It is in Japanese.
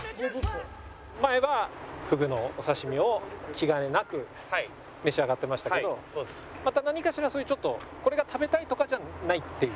前はふぐのお刺し身を気兼ねなく召し上がってましたけどまた何かしらそういうちょっとこれが食べたいとかじゃないっていう。